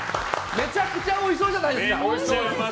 めちゃくちゃおいしそうじゃないですか。